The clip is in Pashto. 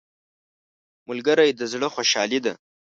ملګری د زړه خوشحالي ده